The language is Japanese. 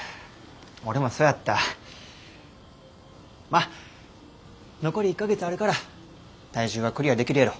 まあ残り１か月あるから体重はクリアできるやろ。